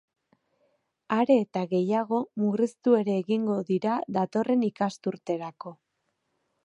Are eta gehiago, murriztu ere egingo dira datorren ikasturterako.